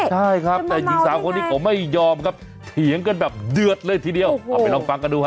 ใช่ครับแต่หญิงสาวคนนี้เขาไม่ยอมครับเถียงกันแบบเดือดเลยทีเดียวเอาไปลองฟังกันดูฮ